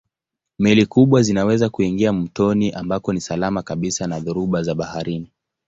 Meli kubwa zinaweza kuingia mtoni ambako ni salama kabisa na dhoruba za baharini.